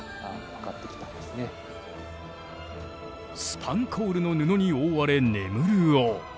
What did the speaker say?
スパンコールの布に覆われ眠る王。